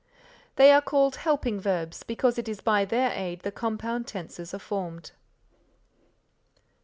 They are called helping verbs, because it is by their aid the compound tenses are formed.